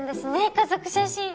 家族写真。